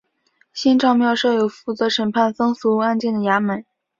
新召庙设有负责审判僧俗案件的衙门。